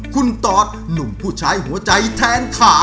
คุณตอดหนุ่มผู้ใช้หัวใจแทนขา